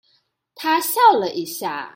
她笑了一下